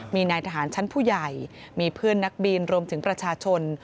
มีนายทหารชั้นผู้ใหญ่มีเพื่อนนักบินรวมถึงประชาชน